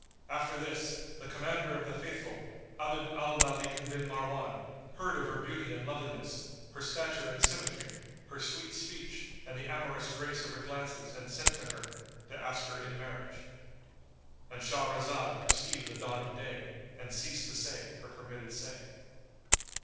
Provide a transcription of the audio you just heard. [FN#96] After this, the Commander of the Faithful, Abd al Malik bin Marwan, heard of her beauty and loveliness, her stature and symmetry, her sweet speech and the amorous grace of her glances and sent to her, to ask her in marriage;——And Shahrazad perceived the dawn of day and ceased to say her permitted say.